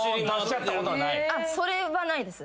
それはないです。